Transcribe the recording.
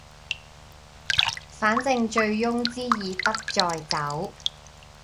反正醉翁之意不在酒